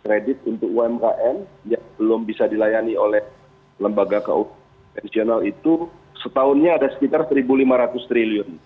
kredit untuk umkm yang belum bisa dilayani oleh lembaga keuangan nasional itu setahunnya ada sekitar rp satu lima ratus triliun